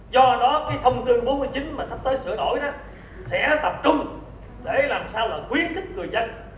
do đó cái thông tư bốn mươi chín mà sắp tới sửa đổi sẽ tập trung để làm sao là khuyến khích người dân